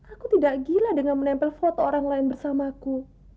aku tidak gila dengan menempel foto orang lain bersamaku